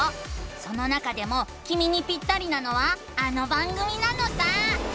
その中でもきみにピッタリなのはあの番組なのさ！